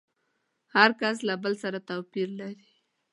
هر کس له بل سره توپير لري.